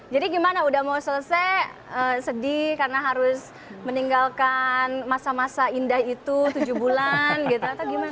jadi gimana udah mau selesai sedih karena harus meninggalkan masa masa indah itu tujuh bulan gitu atau gimana